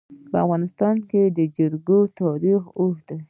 په افغانستان کې د جلګه تاریخ اوږد دی.